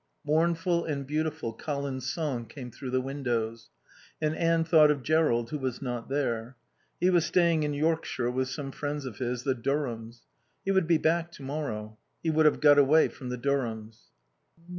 '" Mournful, and beautiful, Colin's song came through the windows, and Anne thought of Jerrold who was not there. He was staying in Yorkshire with some friends of his, the Durhams. He would be back to morrow. He would have got away from the Durhams.